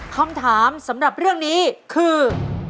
คำถามสำหรับเรื่องนี้คือ